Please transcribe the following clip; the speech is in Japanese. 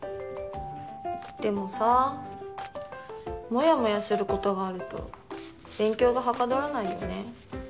でもさモヤモヤすることがあると勉強がはかどらないよね。